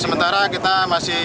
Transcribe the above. sementara kita masih